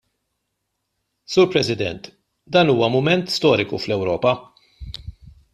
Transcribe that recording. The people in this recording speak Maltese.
Sur President, dan huwa mument storiku fl-Ewropa.